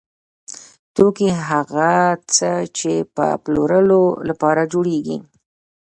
توکي هغه څه دي چې د پلورلو لپاره جوړیږي.